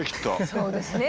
そうですね。